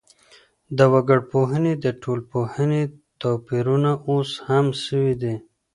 د وګړپوهني او ټولنپوهني توپيرونه اوس کم سوي دي.